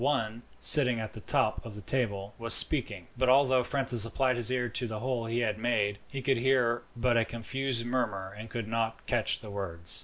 One, sitting at the top of the table, was speaking; but although Francis applied his ear to the hole he had made, he could hear but a confused murmur, and could not catch the words.